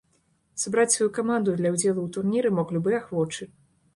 Сабраць сваю каманду для ўдзелу ў турніры мог любы ахвочы.